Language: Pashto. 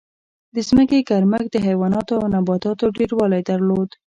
د ځمکې ګرمښت د حیواناتو او نباتاتو ډېروالی درلود.